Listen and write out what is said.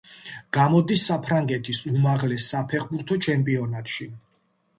გამოდის საფრანგეთის უმაღლეს საფეხბურთო ჩემპიონატში.